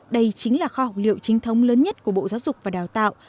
đây chính là kho học liệu chính thống lớn nhất của bộ giáo dục và đào tạo